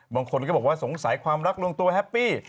บางคนก็บอกว่าสงสัยความรักลงตัวแฮปปี้